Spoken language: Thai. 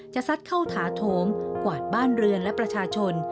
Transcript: ซัดเข้าถาโถมกวาดบ้านเรือนและประชาชน